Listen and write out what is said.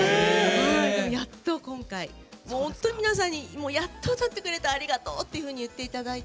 やっと今回本当に皆さんにやっと歌ってくれたありがとうって言っていただいて。